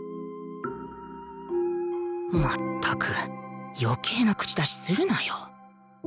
まったく余計な口出しするなよ